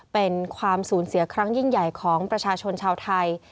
เป็นความสูญเสียครั้งยิ่งใหญ่ของประชาชนชาวไทย